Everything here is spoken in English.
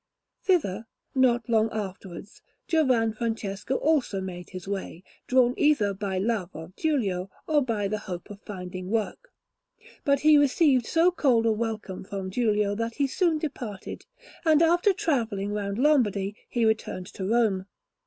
Thither, not long afterwards, Giovan Francesco also made his way, drawn either by love of Giulio or by the hope of finding work; but he received so cold a welcome from Giulio that he soon departed, and, after travelling round Lombardy, he returned to Rome.